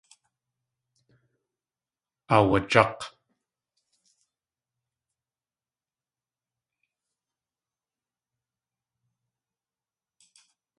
Aawaják̲.